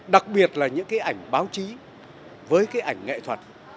đặc biệt là những cái ảnh báo chí với cái ảnh nghệ thuật